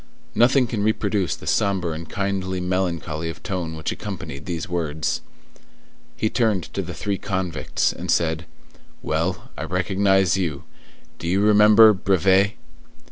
Nothing can reproduce the sombre and kindly melancholy of tone which accompanied these words. He turned to the three convicts, and said:— "Well, I recognize you; do you remember, Brevet?"